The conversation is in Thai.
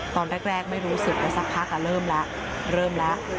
ตอนแรกไม่รู้สึกแต่สักพักเริ่มแล้ว